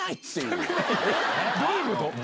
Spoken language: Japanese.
どういうこと？